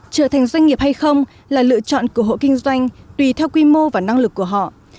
trở thành doanh nghiệp hay không là lựa chọn của hộ kinh doanh tùy theo quy mô và năng lực của họ